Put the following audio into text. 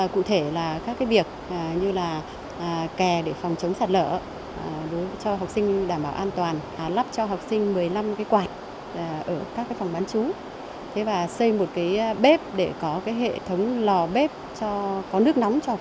cụ thể là các việc như kè để phòng chống sạt lở